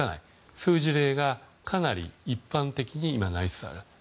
そういう事例がかなり一般的に今、なりつつある。